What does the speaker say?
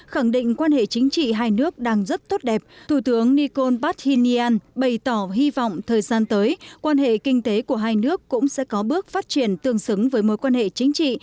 khẳng định quan hệ chính trị hai nước đang rất tốt đẹp thủ tướng nikol pashinyan bày tỏ hy vọng thời gian tới quan hệ kinh tế của hai nước cũng sẽ có bước phát triển tương xứng với mối quan hệ chính trị